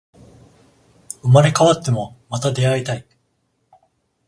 生まれ変わっても、また出会いたい